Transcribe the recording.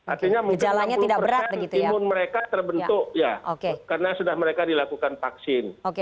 artinya menjelang berperan timun mereka terbentuk karena sudah mereka dilakukan vaksin